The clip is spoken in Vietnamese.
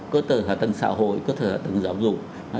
cơ sở hạ tầng xã hội cơ sở hạ tầng giáo dục